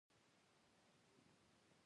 د څلوېښتم اېف سي آر قانون تر اوسه نافذ دی.